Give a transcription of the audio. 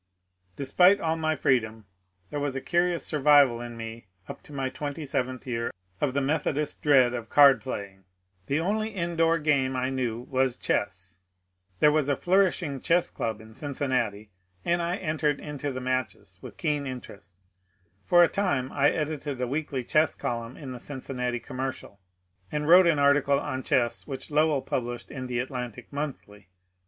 Despite all my freedom there was a curious survival in me up to my twenty seventh year of the Methodist dread of card playing. The only indoor game I knew was chess. There was a flourishing Chess Club in Cincinnati, and I entered into the matches with keen interest* For a time I edited a weekly chess column in the *^ Cincinnati Commercial,'' and wrote an article on Chess which Lowell published in the Atlantic Monthly."